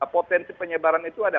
potensi penyebaran itu ada